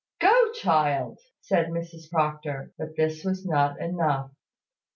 "Go, child," said Mrs Proctor: but this was not enough.